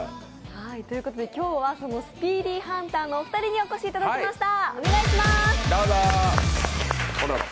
今日はそのスピーディーハンターのお二人にお越しいただきました。